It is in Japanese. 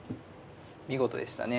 見事でしたね。